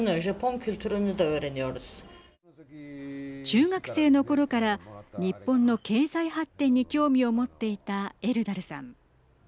中学生のころから日本の経済発展に興味を持っていたエルダルさん。